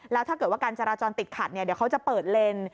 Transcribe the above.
แล้วถ้าเกิดว่าการจราจรติดขัดเดี๋ยวเขาจะเปิดเลน